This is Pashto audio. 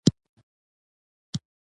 لمسی د مور ستره هيله ده.